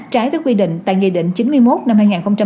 trái với quy định tại nghị định chín mươi một năm hai nghìn một mươi